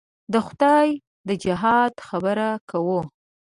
د خدای د جهاد خبره کوو.